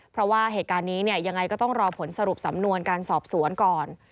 เพราะว่าเหตุการณ์นี้เนี่ยยังไงก็ต้องรอผลสรุปสำนวนการสอบสวนก่อน